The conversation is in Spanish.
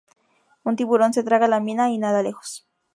Un tiburón se traga la mina y nada lejos.